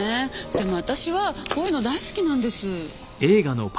でも私はこういうの大好きなんです。